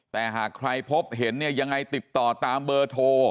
แต่หากใครพบเห็นเนี่ยยังไงติดต่อตามเบอร์โทร